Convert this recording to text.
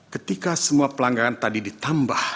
ketika semua pelanggaran tadi ditambah